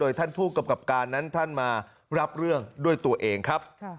ท่านผู้กำกับการนั้นท่านมารับเรื่องด้วยตัวเองครับ